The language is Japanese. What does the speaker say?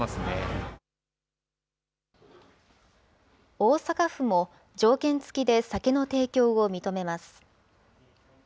大阪府も、条件付きで酒の提供を認めます。